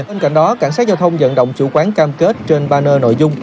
bên cạnh đó cảnh sát giao thông vận động chủ quán cam kết trên banner nội dung